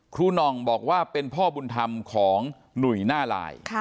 หน่องบอกว่าเป็นพ่อบุญธรรมของหนุ่ยหน้าลาย